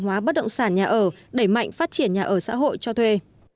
hóa bất động sản nhà ở đẩy mạnh phát triển nhà ở xã hội cho thuê